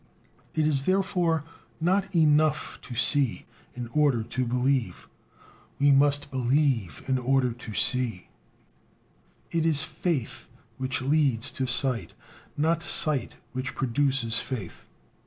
It is, therefore, not enough to see in order to believe; we must believe in order to see. It is faith which leads to sight, not sight which produces faith.